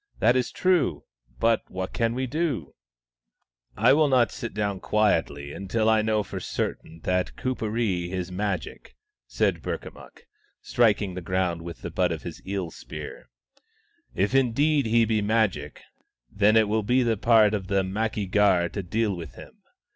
" That is true. But what can we do ?"" I will not sit down quietly until I know for certain that Kuperee is Magic," said Burkamukk, striking the ground with the butt of his eel spear. " If indeed he be Magic, then it will be the part of the Mcki gar to deal with him.